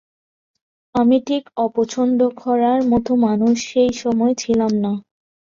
আমি ঠিক অপছন্দ করার মতো মানুষ সেই সময় ছিলাম না।